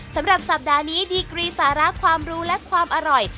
สำหรับสัปดาห์นี้ดีกรีสาระความรู้และความอร่อย